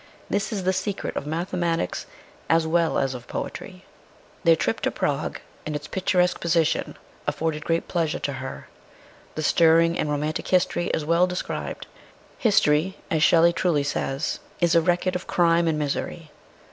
This is the secret of mathematics as well as of poetry." Their trip to Prague, and its picturesque position, afforded great pleasure to her. The stirring and romantic history is well described history, as Shelley truly says, is a record of crime and misery.